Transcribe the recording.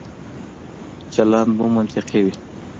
چلند مو منطقي وي.